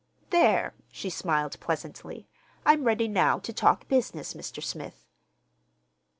"There," she smiled pleasantly. "I'm ready now to talk business, Mr. Smith."